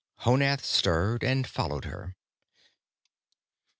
Honath stirred and followed her.